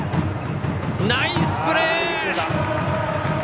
ナイスプレー！